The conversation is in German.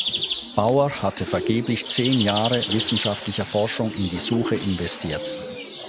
Bauer hatte vergeblich zehn Jahre wissenschaftlicher Forschung in die Suche investiert.